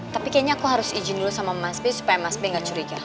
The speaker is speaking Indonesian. tapi kayaknya aku harus izin dulu sama mas b supaya mas b nggak curiga